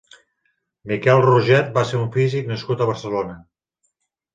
Miquel Roget va ser un físic nascut a Barcelona.